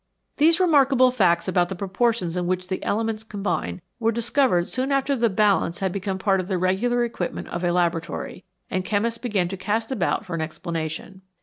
These remarkable facts about the proportions in which the elements combine were discovered soon after the balance had become part of the regular equipment of a laboratory, and chemists began to cast about for an explanation.